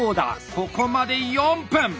ここまで４分！